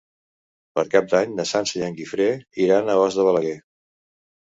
Per Cap d'Any na Sança i en Guifré iran a Os de Balaguer.